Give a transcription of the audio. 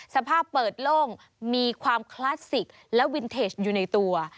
สภาพเปิดโล่งมีความคลาสสิกและวินเทจอยู่ในตัว